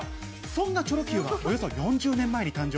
そんなチョロＱはおよそ４０年前に誕生。